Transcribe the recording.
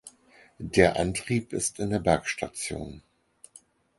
Der Antrieb ist in der Bergstation.